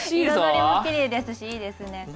彩りもきれいですしいいですね。